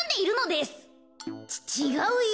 ちがうよ！